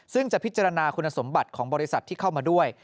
ซึ่งจะพิจารณาคุณสมบัติของบริษัทที่เข้ามาด้วย